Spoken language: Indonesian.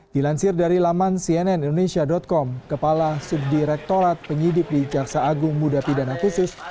dilansir dari laman cnnindonesia com kepala subdirektorat penyidik di jaksa agung muda pidana khusus